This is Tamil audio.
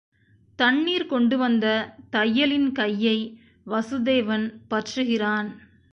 தண்ணீர் கொண்டு வந்த தையலின் கையை வசுதேவன் பற்றுகிறான்.